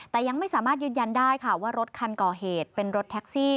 แต่ยังไม่สามารถยืนยันได้ค่ะว่ารถคันก่อเหตุเป็นรถแท็กซี่